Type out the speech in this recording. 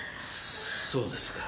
そうですか。